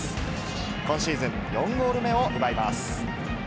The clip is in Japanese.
今シーズン４ゴール目を奪います。